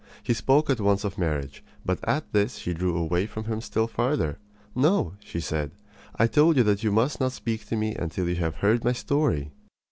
He spoke at once of marriage; but at this she drew away from him still farther. "No," she said. "I told you that you must not speak to me until you have heard my story."